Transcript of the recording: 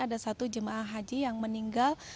ada satu jemaah haji yang meninggal